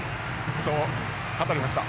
そう語りました。